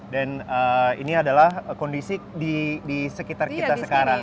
dan ini adalah kondisi di sekitar kita sekarang